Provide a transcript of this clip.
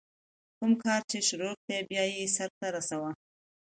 کوم کار چي شروع کړې، بیا ئې سر ته رسوه.